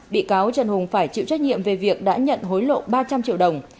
bị cáo trần hùng phải chịu trách nhiệm về việc đã nhận hối lộ ba trăm linh triệu đồng